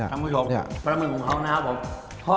ท่านผู้ชมปลาหมึกของเขานะครับผม